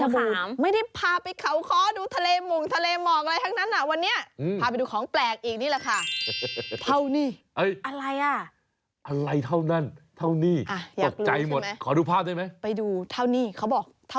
วัดพระเจมส์นี่แหละครับ